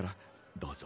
どうぞ。